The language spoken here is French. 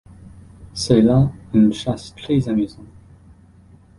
C’est là une chasse très amusante...